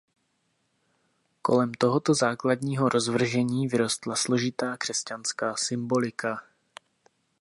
Kolem tohoto základního rozvržení vyrostla složitá křesťanská symbolika.